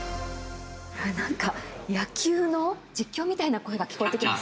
なんか野球の実況みたいな声が聞こえてきます。